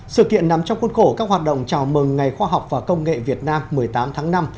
sự kiện nằm trong khuôn khổ các hoạt động chào mừng ngày khoa học và công nghệ việt nam một mươi tám tháng năm